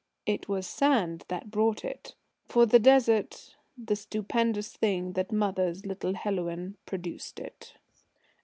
It was sand that brought it. For the Desert, the stupendous thing that mothers little Helouan, produced it.